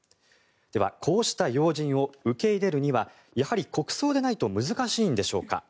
ではこうした要人を受け入れるにはやはり国葬でないと難しいのでしょうか。